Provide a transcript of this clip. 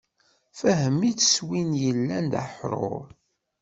Fehm-itt s wi illan d aḥrur.